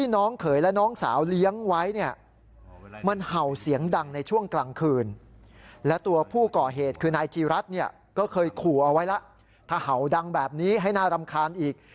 โดยขู่เอาไว้แล้วถ้าเห่าดังแบบนี้ให้น่ารำคาญอีก